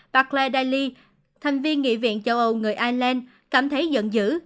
bà claire daly thành viên nghị viện châu âu người ireland cảm thấy giận dữ